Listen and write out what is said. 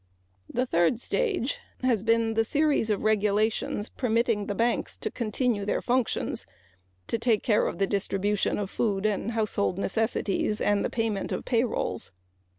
The third stage has been the series of regulations permitting the banks to continue their functions to take care of the distribution of food and household necessities and the payment of payrolls.